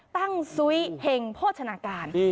ตั้งซุ่ยเห็งโภชนาการ